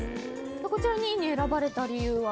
こちら、２位に選ばれた理由は？